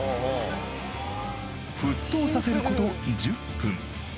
沸騰させること１０分